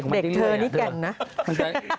เด็กเธอนี่แก่นนะ